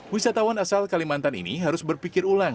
wisatawan asal kalimantan ini harus berpikir ulang